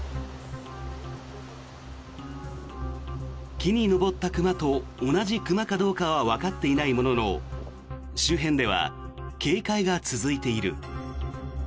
木に登った熊と同じ熊かどうかはわかっていないものの周辺では警戒が続いている。